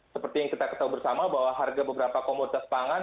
seperti yang kita ketahui bersama bahwa harga beberapa komoditas pangan